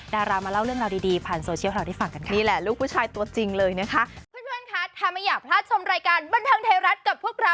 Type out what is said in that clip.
ดารามาเล่าเรื่องราวดีผ่านโซเชียลของเราได้ฟังกันค่ะ